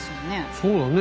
そうだね。